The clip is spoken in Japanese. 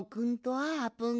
あーぷん。